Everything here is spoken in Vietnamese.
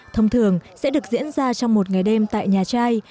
thông thường sẽ được diễn ra trong một ngày đêm tại nhà trai